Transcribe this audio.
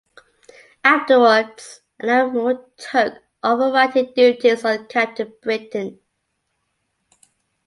Afterwards, Alan Moore took over writing duties on "Captain Britain".